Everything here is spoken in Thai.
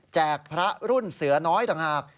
พระรุ่นเสือน้อยต่างหาก